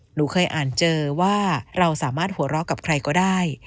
หนูเคยอ่านเจอว่าเราสามารถหัวเราะกับใครก็ได้